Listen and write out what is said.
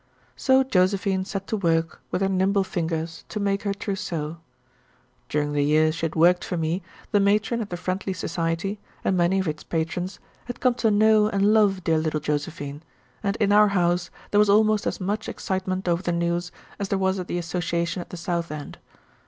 So Josephine set to work with her nimble fingers to make her trousseau. During the years she had worked for me, the Matron at the Friendly Society, and many of its patrons had come to know and love dear little Josephine, and in our house there was almost as much excitement over the news as there was at the Association at the South End.